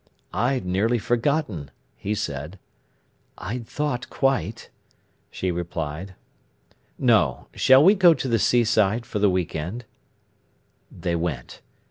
"I'd nearly forgotten," he said. "I'd thought quite," she replied. "No. Shall we go to the seaside for the week end?" They went.